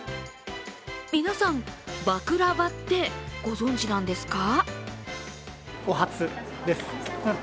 皆さん、バクラヴァってご存じなんですか？